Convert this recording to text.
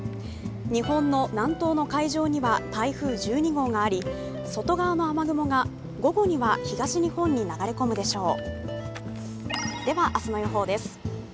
日本の南東の海上には台風１２号があり外側に雨雲が午後には東日本に流れ込むでしょう。